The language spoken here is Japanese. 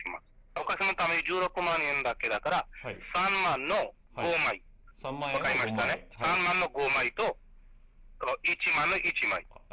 お客様は１６万円だけだから、３万の５枚、分かりましたね、３万の５枚と、１万の１枚。